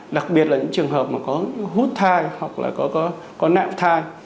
đặc biệt là những trường hợp mà có hút thai hoặc là có nặng thai